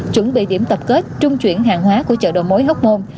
chuẩn bị điểm tập kết trung chuyển hàng hóa của chợ đầu mối hóc môn